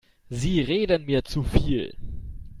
Sie reden mir zu viel.